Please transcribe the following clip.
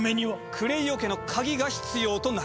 クレイオ家の鍵が必要となる。